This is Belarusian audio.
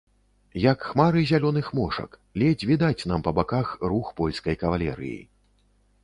Як хмары зялёных мошак, ледзь відаць нам па баках рух польскай кавалерыі.